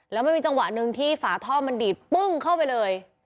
แล้วมันมีจังหวะหนึ่งที่ฝาท่อมันดีดปึ้งเข้าไปเลย